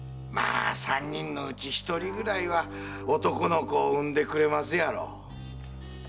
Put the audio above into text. まぁ三人のうち一人ぐらいは男の子を生んでくれますやろ。